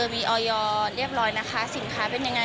มีออยอร์เรียบร้อยนะคะสินค้าเป็นยังไง